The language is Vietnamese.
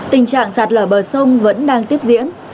tình trạng sạt lở bờ sông vẫn đang tiếp diễn